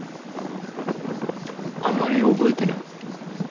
あんまり覚えてない。